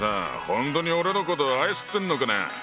本当に俺のことを愛してんのかな？